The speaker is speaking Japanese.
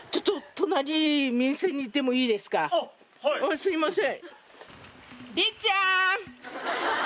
すいません。